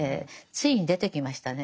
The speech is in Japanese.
ついに出てきましたね。